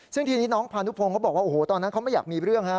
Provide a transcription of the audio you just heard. ซึ่งทีนี้น้องพานุพงศ์เขาบอกว่าโอ้โหตอนนั้นเขาไม่อยากมีเรื่องฮะ